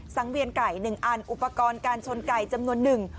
สังเวียนไก่๑อันอุปกรณ์การชนไก่จำนวนหนึ่ง